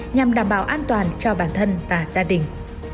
nhằm đảm bảo an toàn cho bản thân và gia đình